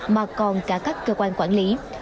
mà còn cả các cơ quan quản lý